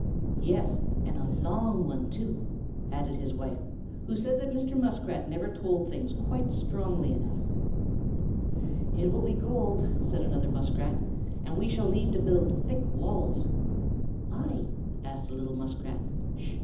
"Yes, and a long one, too," added his wife, who said that Mr. Muskrat never told things quite strongly enough. "It will be cold," said another Muskrat, "and we shall need to build thick walls." "Why?" asked a little Muskrat. "Sh!"